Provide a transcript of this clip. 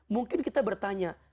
mungkin kita bertanya